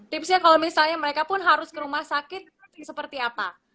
tipsnya kalau misalnya mereka pun harus ke rumah sakit seperti apa